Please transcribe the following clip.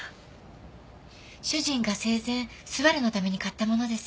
主人が生前昴のために買ったものです。